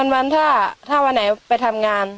วันถ้าวันไหนไปทำงาน